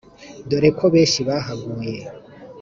dore ko benshi bahaguye